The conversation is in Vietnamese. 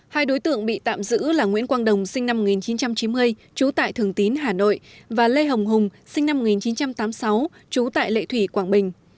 hai đối tượng bị tạm giữ là nguyễn quang đồng sinh năm một nghìn chín trăm chín mươi trú tại thường tín hà nội và lê hồng hùng sinh năm một nghìn chín trăm tám mươi sáu trú tại lệ thủy quảng bình